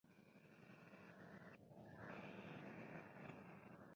Como banda nunca vivieron de la música.